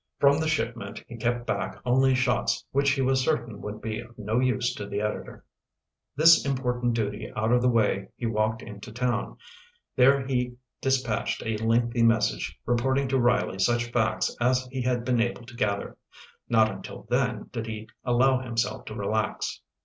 From the shipment he kept back only shots which he was certain would be of no use to the editor. This important duty out of the way, he walked into town. There he dispatched a lengthy message, reporting to Riley such facts as he had been able to gather. Not until then did he allow himself to relax.